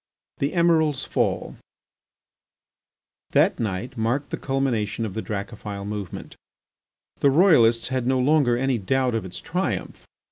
THE EMIRAL'S FALL That night marked the culmination of the Dracophil movement. The Royalists had no longer any doubt of its triumph.